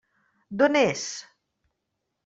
D'on és?